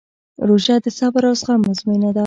روژه د صبر او زغم ازموینه ده.